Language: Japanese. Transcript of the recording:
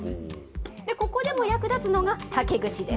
ここでも役立つのが竹串です。